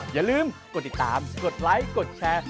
อย่าลืมกดติดตามกดไลค์กดแชร์